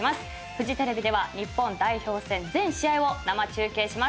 フジテレビでは日本代表戦全試合を生中継します。